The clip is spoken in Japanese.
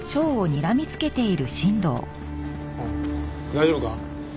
大丈夫か？